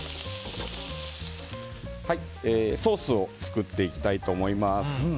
ソースを作っていきたいと思います。